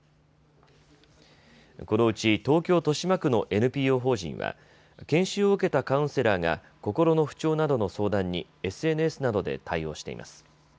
このうち東京豊島区のＮＰＯ法人は研修を受けたカウンセラーが心の不調などの相談にＳＮＳなどで対応しています。